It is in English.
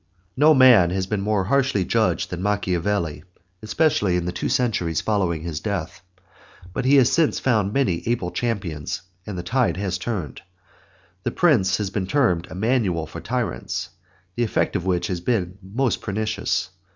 No man has been more harshly judged than Machiavelli, especially in the two centuries following his death. But he has since found many able champions and the tide has turned. The Prince has been termed a manual for tyrants, the effect of which has been most pernicious.